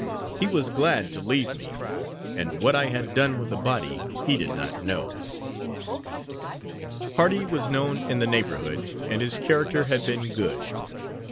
He was glad to leave me, and what I had done with the body he did not know. Hardy was known in the neighborhood, and his character had been good.